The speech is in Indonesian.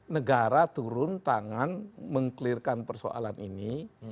negara turun tangan meng clearkan persoalan ini